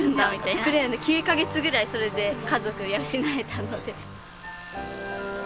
作れるの９か月ぐらいそれで家族養えたので。